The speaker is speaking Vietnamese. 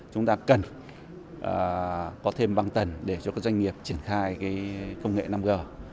có thêm băng tần để cho các doanh nghiệp triển khai công nghệ năm g